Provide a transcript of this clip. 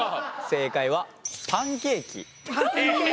正解はパンケーキ。